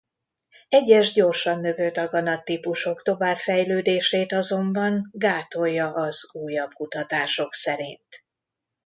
Egyes gyorsan növő daganat típusok tovább fejlődését azonban gátolja az újabb kutatások szerint.